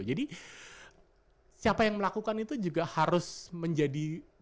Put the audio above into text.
jadi siapa yang melakukan itu juga harus menjadi corner